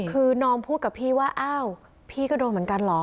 คือน้องพูดกับพี่ว่าอ้าวพี่ก็โดนเหมือนกันเหรอ